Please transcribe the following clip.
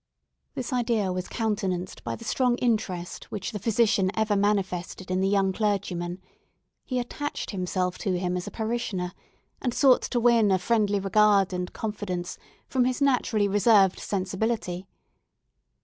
This idea was countenanced by the strong interest which the physician ever manifested in the young clergyman; he attached himself to him as a parishioner, and sought to win a friendly regard and confidence from his naturally reserved sensibility.